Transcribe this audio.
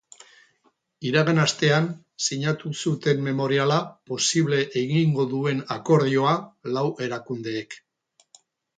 Iragan astean sinatu zuten memoriala posible egingo duen akordioa lau erakundeek.